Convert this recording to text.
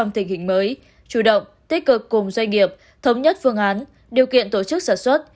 tích cực cùng doanh nghiệp thống nhất phương án điều kiện tổ chức sản xuất